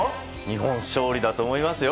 日本勝利だと思いますよ